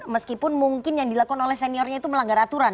meskipun mungkin yang dilakukan oleh seniornya itu melanggar aturan